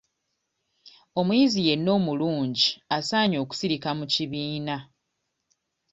Omuyizi yenna omulungi asaanye okusirika mu kibiina.